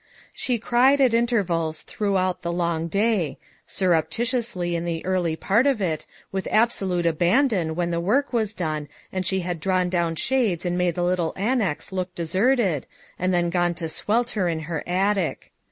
She cried, at intervals, throughout the long day; surreptitiously in the early part of it, with absolute abandon when the work was done and she had drawn down shades and made the little annex look deserted and then gone to swelter in her attic.